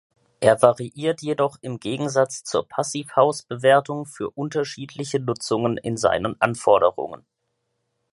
Er variiert jedoch im Gegensatz zur Passivhaus-Bewertung für unterschiedliche Nutzungen in seinen Anforderungen.